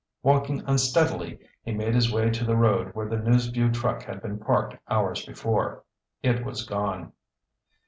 Walking unsteadily, he made his way to the road where the News Vue truck had been parked hours before. It was gone.